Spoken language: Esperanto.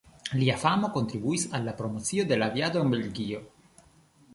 Lia famo kontribuis al la promocio de la aviado en Belgio.